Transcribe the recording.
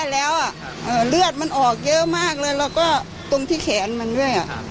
มันแย่แล้วอ่ะอ่าเลือดมันออกเยอะมากเลยแล้วก็ตรงที่แขนมันด้วยอ่ะ